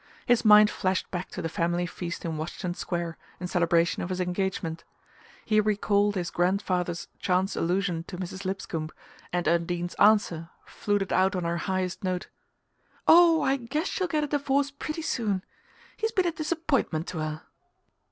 His mind flashed back to the family feast in Washington Square in celebration of his engagement. He recalled his grandfather's chance allusion to Mrs. Lipscomb, and Undine's answer, fluted out on her highest note: "Oh, I guess she'll get a divorce pretty soon. He's been a disappointment to her."